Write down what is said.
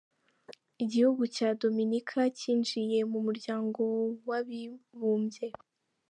Igihugu cya Dominika cyinjiye mu muryango w’abibumbye.